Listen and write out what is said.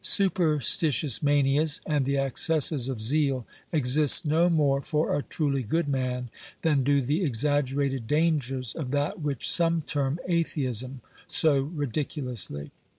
Superstitious manias and the excesses of zeal exist no more for a truly good man than do the exaggerated dangers of that which some term atheism so ridiculously.